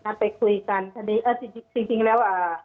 นับไปคุยกันเอ่อจริงแล้ว